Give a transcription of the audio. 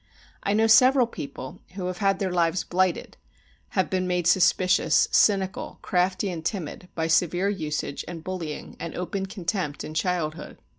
I know several people who have had their lives blighted, have been made suspicious, cynical, crafty, and timid, by severe usage and bullying and open contempt in childhood.